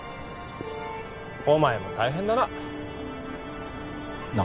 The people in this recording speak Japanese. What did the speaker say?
お前も大変だななあ